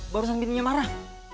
barusan bintinya marah